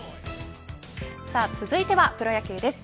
さあ続いてはプロ野球です。